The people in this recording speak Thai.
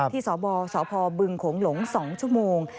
ที่สพบึงของหลง๒ชั่วโมง